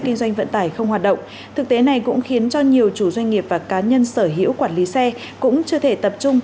kinh doanh vận tải không hoạt động thực tế này cũng khiến cho nhiều chủ doanh nghiệp và cá nhân sở hữu quản lý xe cũng chưa thể tập trung